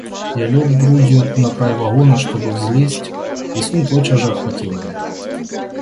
Я лег грудью на край вагона, чтобы взлезть — и сон тотчас же охватил меня.